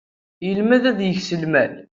Yelmed ad yeks lmal.